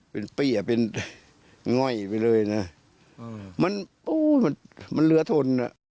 เราสงสารทน